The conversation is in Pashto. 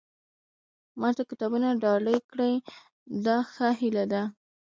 ما ته کتابونه ډالۍ کړي دا ښه هیله ده.